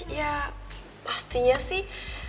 ya pastinya sih